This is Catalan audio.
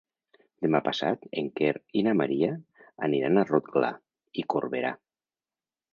Demà passat en Quer i na Maria aniran a Rotglà i Corberà.